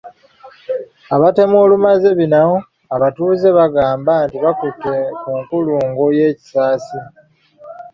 Abatemu olumaze bino abatuuze bagamba nti bakutte ku nkulungo y’e Kisasi.